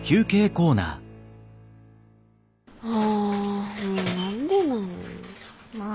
あもう何でなの。